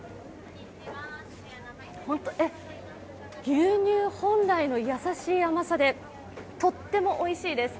牛乳本来の優しい甘さで、とってもおいしいです。